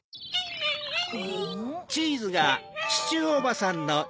アンアン！